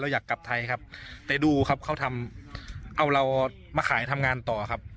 อยากกลับไทยครับแต่ดูครับเขาทำเอาเรามาขายทำงานต่อครับ